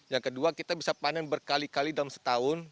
yang kedua kita bisa panen berkali kali dalam setahun